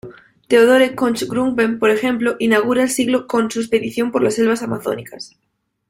Theodore Koch-Grünberg, por ejemplo, inaugura el siglo con su expedición por las selvas amazónicas.